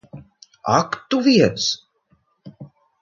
Ak tu viens!